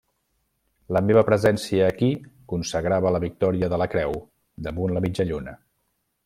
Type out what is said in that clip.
La meva presència aquí consagrava la victòria de la Creu damunt la mitja lluna.